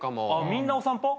みんなお散歩？